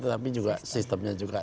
tapi juga sistemnya juga